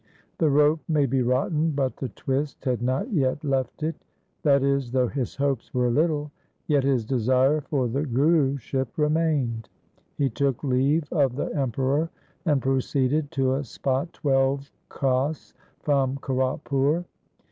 ' The rope may be rotten, but the twist had not yet left it '— that is, though his hopes were little, yet his desire for the Guruship remained. He took leave of the Emperor and proceeded to a spot twelve kos from Kiratpur.